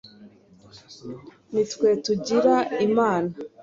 ni twe tugira imana,